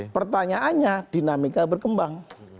pertanyaannya dinamika berkembang